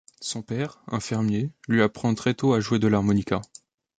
Son père, un fermier lui apprend très tôt à jouer de l'harmonica.